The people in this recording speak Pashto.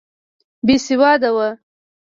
بېسواده وو.